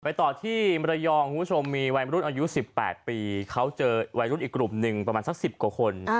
ต่อที่มรยองคุณผู้ชมมีวัยมรุ่นอายุ๑๘ปีเขาเจอวัยรุ่นอีกกลุ่มหนึ่งประมาณสัก๑๐กว่าคน